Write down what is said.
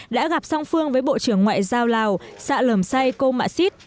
đã gặp song phương với bộ trưởng ngoại giao lào sạ lầm say cô mạ xít